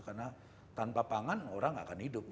karena tanpa pangan orang gak akan hidup